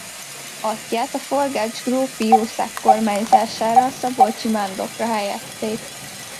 Atyját a Forgách grófi jószág kormányzására a szabolcsi Mándokra helyezték.